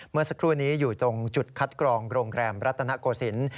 เมื่อสักครู่นี้อยู่ตรงจุดคัดกรองโรงแรมรัตนโกศิลป์